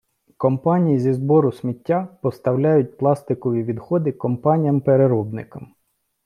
Компанії зі збору сміття поставляють пластикові відходи компаніям-переробникам.